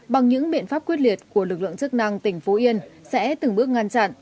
bằng những biện pháp quyết liệt của lực lượng chức năng tỉnh phú yên sẽ từng bước ngăn chặn